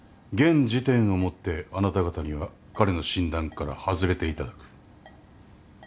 現時点を持ってあなた方には彼の診断から外れていただく。